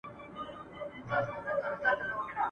خره به ټوله ورځ په شا وړله بارونه !.